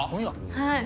はい。